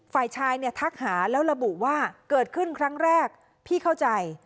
ฝ่ายชายเนี่ยทักหาแล้วระบุว่าเกิดขึ้นครั้งแรกพี่เข้าใจ